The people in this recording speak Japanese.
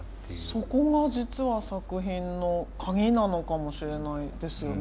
そこが実は作品の鍵なのかもしれないですよね。